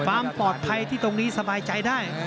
ความปลอดภัยที่ตรงนี้สบายใจได้